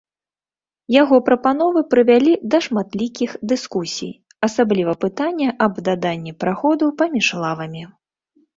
Яго прапановы прывялі да шматлікіх дыскусій, асабліва пытанне аб даданні праходу паміж лавамі.